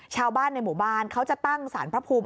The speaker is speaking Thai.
ชาวบ้านในหมู่บ้านเขาจะตั้งสารพระภูมิ